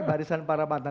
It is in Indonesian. barisan para mantan